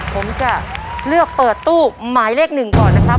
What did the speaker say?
ผมจะเลือกเปิดตู้หมายเลขหนึ่งก่อนนะครับ